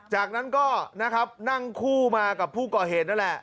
จากนั้นก็นะครับนั่งคู่มากับผู้ก่อเหตุนั่นแหละ